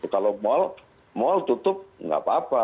kalau mal mal tutup nggak apa apa